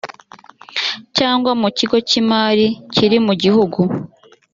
cyangwa mu kigo cy imari kiri mu gihugu